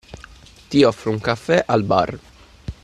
Ti offro un caffè al bar.